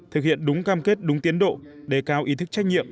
thực hiện đúng cam kết đúng tiến độ đề cao ý thức trách nhiệm